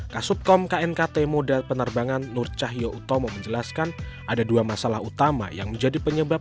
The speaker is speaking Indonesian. kasubkom knkt modal penerbangan nur cahyo utomo menjelaskan ada dua masalah utama yang menjadi penyebab